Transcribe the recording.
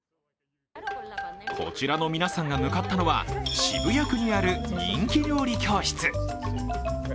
こちらの皆さんが向かったのは渋谷区にある人気料理教室。